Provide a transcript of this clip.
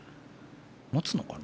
持つのかな。